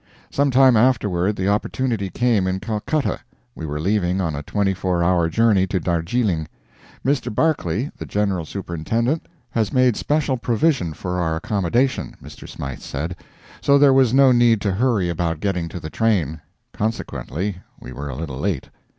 Sometime afterward the opportunity came, in Calcutta. We were leaving on a 24 hour journey to Darjeeling. Mr. Barclay, the general superintendent, has made special provision for our accommodation, Mr. Smythe said; so there was no need to hurry about getting to the train; consequently, we were a little late.